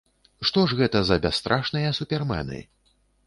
Што ж гэта за бясстрашныя супермены?